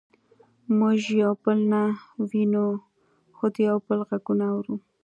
موږ یو بل نه وینو خو د یو بل غږونه اورو